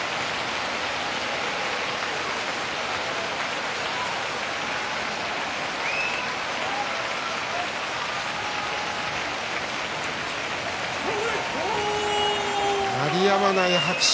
拍手鳴りやまない拍手。